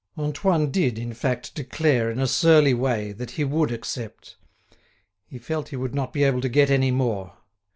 Antoine did, in fact, declare, in a surly way, that he would accept. He felt he would not be able to get any more.